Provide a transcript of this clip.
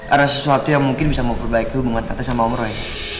ada sesuatu yang mungkin bisa memperbaiki hubungan tante sama om roy